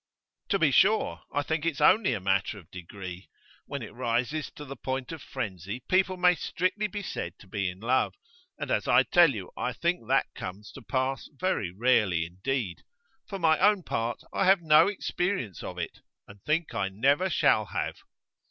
'To be sure. I think it's only a matter of degree. When it rises to the point of frenzy people may strictly be said to be in love; and, as I tell you, I think that comes to pass very rarely indeed. For my own part, I have no experience of it, and think I never shall have.